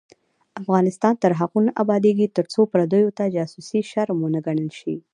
افغانستان تر هغو نه ابادیږي، ترڅو پردیو ته جاسوسي شرم ونه ګڼل شي.